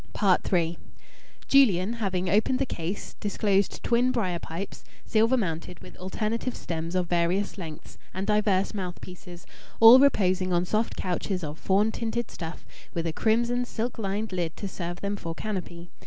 III Julian, having opened the case, disclosed twin brier pipes, silver mounted, with alternative stems of various lengths and diverse mouthpieces all reposing on soft couches of fawn tinted stuff, with a crimson, silk lined lid to serve them for canopy.